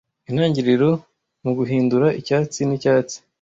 intangiriro muguhindura icyatsi nicyatsi